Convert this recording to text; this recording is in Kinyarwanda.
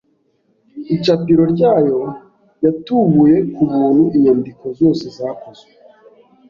icapiro ryayo yatubuye ku buntu inyandiko zose zakozwe